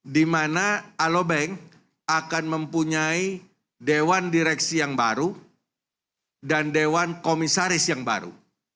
di mana alobank akan mempunyai dewan direksi yang baru dan dewan komisaris yang baru